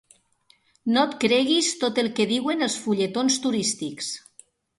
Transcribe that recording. No et creguis tot el que diuen els fulletons turístics.